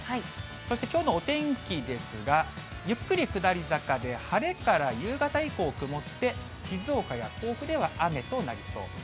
そしてきょうのお天気ですが、ゆっくり下り坂で、晴れから夕方以降曇って、静岡や甲府では雨となりそうです。